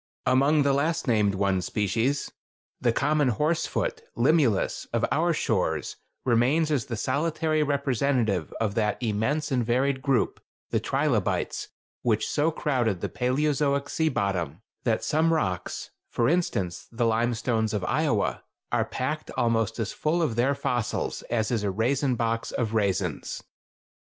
Among the last named one species, the common horse foot (Limulus) of our shores, remains as the solitary representative of that immense and varied group, the trilobites, which so crowded the Paleozoic sea bottom that some rocks—for instance, the limestones of Iowa—are packed almost as full of their fossils as is a raisin box of raisins.